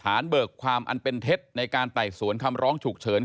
เบิกความอันเป็นเท็จในการไต่สวนคำร้องฉุกเฉิน